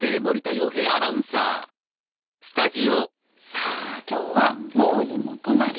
さあ今日は毛利元就。